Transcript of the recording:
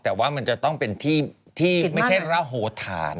แต่ว่ามันจะต้องเป็นที่ไม่ใช่ระโหธาน